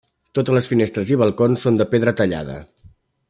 Totes les finestres i balcons són de pedra tallada.